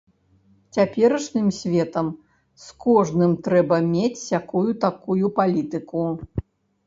Цяперашнім светам з кожным трэба мець сякую-такую палітыку.